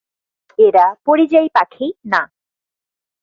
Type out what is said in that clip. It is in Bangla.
এরা পরিযায়ী পাখি না।